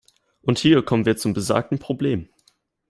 Und hier kommen wir zum besagten Problem.